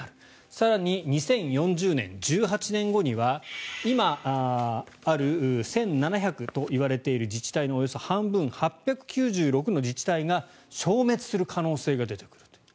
更に、２０４０年１８年後には今ある１７００といわれている自治体のおよそ半分８９６の自治体が消滅する可能性が出てくると。